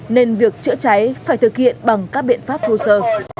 nên việc chữa cháy phải thực hiện bằng các biện pháp thô sơ